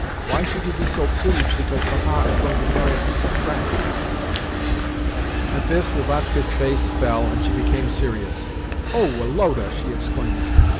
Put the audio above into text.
Why should you be so pleased because Papa is going to marry a piece of trash?" At this Lubotshka's face fell, and she became serious. "Oh, Woloda!" she exclaimed.